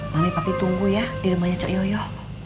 mami tapi tunggu ya di rumahnya cok yoyo